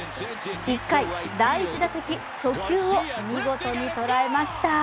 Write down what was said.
１回、第１打席初球を見事に捉えました。